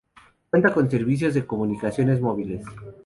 Cuenta con servicios de comunicaciones móviles.